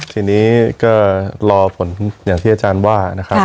ทีนี้ก็รอผลอย่างที่อาจารย์ว่านะครับ